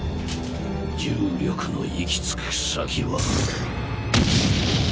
重力の行き着く先は。